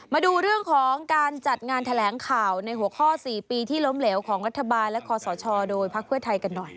มาดูเรื่องของการจัดงานแถลงข่าวในหัวข้อ๔ปีที่ล้มเหลวของรัฐบาลและคอสชโดยพักเพื่อไทยกันหน่อย